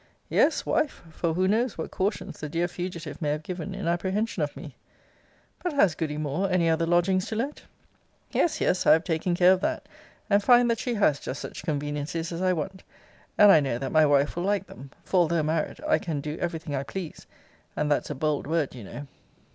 Yes, wife, for who knows what cautions the dear fugitive may have given in apprehension of me? 'But has goody Moore any other lodgings to let?' Yes, yes; I have taken care of that; and find that she has just such conveniencies as I want. And I know that my wife will like them. For, although married, I can do every thing I please; and that's a bold word, you know.